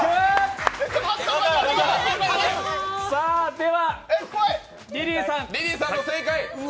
ではリリーさん。